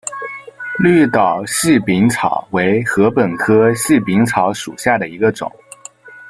绿岛细柄草为禾本科细柄草属下的一个种。